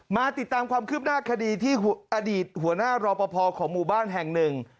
มาติดตามความคืบหน้าคดีที่อดีตหัวหน้ารอปภของหมู่บ้านแห่งหนึ่ง